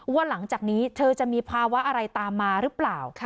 หลังจากนี้เธอจะมีภาวะอะไรตามมาหรือเปล่า